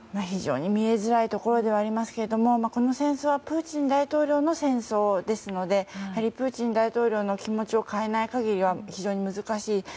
非常に見えづらいところではありますけどこの戦争はプーチン大統領の戦争ですので、やはりプーチン大統領の気持ちを変えない限りは非常に難しい。